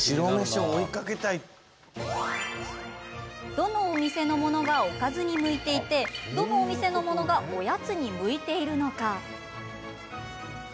どのお店のものがおかずに向いていてどのお店のものがおやつに向いているのか。